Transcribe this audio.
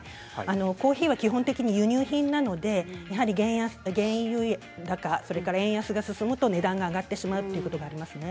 コーヒーは基本的に輸入品なのでやはり原油高、円安が進むと値段が上がってしまうということがありますね。